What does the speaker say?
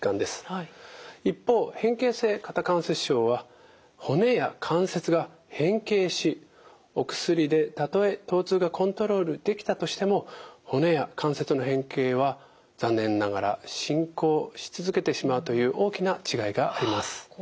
一方変形性肩関節症は骨や関節が変形しお薬でたとえとう痛がコントロールできたとしても骨や関節の変形は残念ながら進行し続けてしまうという大きな違いがあります。